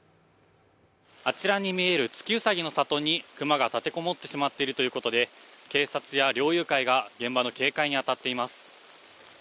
あちらに見える月うさぎの里に熊が立て籠もってしまっているということで警察や猟友会が現場の警戒に当たっています。